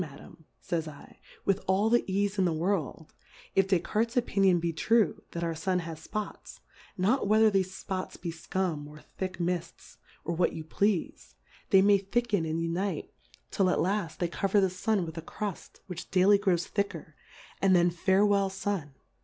Madam, fays 7, with all the Eafe in the World, if D.fcartts\ Opinion be true that our Sun has Spots ; now wdiether thefe Spots be Scum ou thick Milts, or what you p'eafe, they may tliicken and unite, till at lait they cover Plurality of WORLDS, i y 9 cover the Sun with a Cruft, which daily grows thicker, and then farewel Sun.